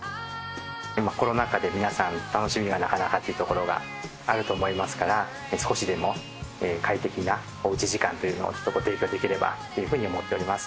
今コロナ禍で皆さん楽しみがなかなかというところがあると思いますから少しでも快適なおうち時間というのをご提供できればというふうに思っております。